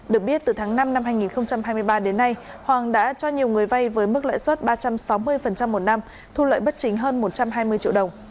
được biết từ tháng năm năm hai nghìn hai mươi ba đến nay hoàng đã cho nhiều người vay với mức lãi suất ba trăm sáu mươi một năm thu lợi bất chính hơn một trăm hai mươi triệu đồng